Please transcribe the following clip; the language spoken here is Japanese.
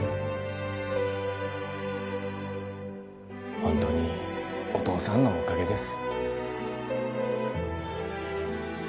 ほんとにお父さんのおかげです